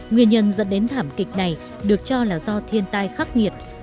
nguyên nhân dẫn đến thảm kịch này được cho là do thiên tai khắc nghiệt